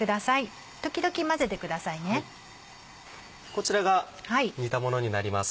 こちらが煮たものになります